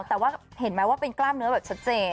แต่ว่าเห็นไหมว่าเป็นกล้ามเนื้อแบบชัดเจน